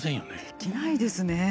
できないですね。